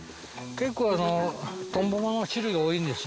結構トンボの種類が多いんですよ。